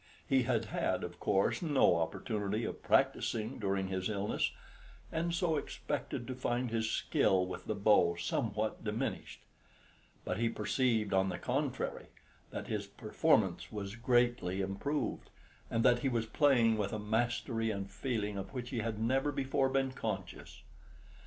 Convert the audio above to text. He had had, of course, no opportunity of practising during his illness, and so expected to find his skill with the bow somewhat diminished; but he perceived, on the contrary, that his performance was greatly improved, and that he was playing with a mastery and feeling of which he had never before been conscious.